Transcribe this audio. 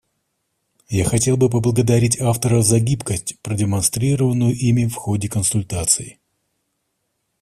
Я хотел бы поблагодарить авторов за гибкость, продемонстрированную ими в ходе консультаций.